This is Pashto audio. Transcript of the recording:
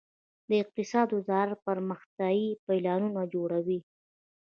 د اقتصاد وزارت پرمختیايي پلانونه جوړوي